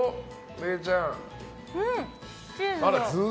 礼ちゃん。